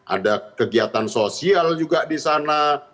ada kegiatan sosial juga di sana